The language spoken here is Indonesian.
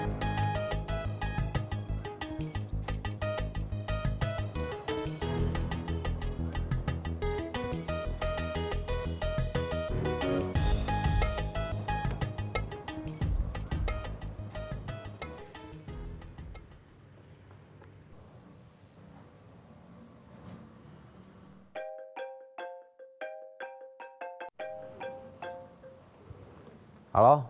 kamu siapapun jangan ketahuan